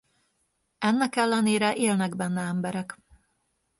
Ennek ellenére élnek benne emberek.